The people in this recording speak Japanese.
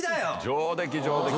上出来上出来。